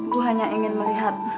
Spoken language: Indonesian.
bu hanya ingin melihat